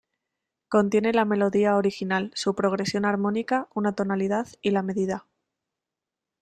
Contiene la melodía original, su progresión armónica, una tonalidad, y la medida.